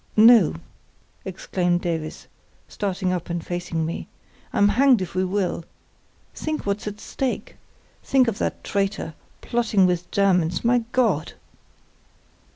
"No!" exclaimed Davies, starting up and facing me. "I'm hanged if we will. Think what's at stake. Think of that traitor—plotting with Germans. My God!"